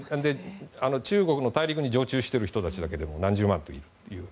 中国も大陸に常駐している人たちだけでも何十万といる。